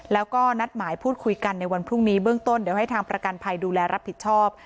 แล้วก็นัดหมายพูดคุยกันในวันพรุ่งนี้เบื้องต้นเดี๋ยวให้ทางประกันภัยดูแลรับผิดชอบ